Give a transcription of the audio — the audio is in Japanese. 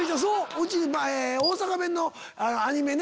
うち前大阪弁のアニメね。